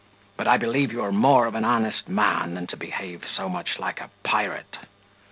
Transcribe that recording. But I believe you are more of an honest man, than to behave so much like a pirate.